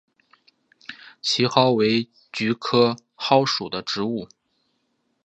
奇蒿为菊科蒿属的植物。